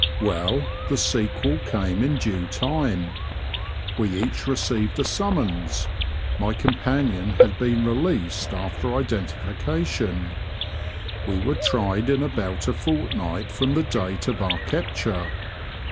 Well, the sequel came in due time. We each received a summons (my companion had been released after identification), we were tried in about a fortnight from the date of our capture.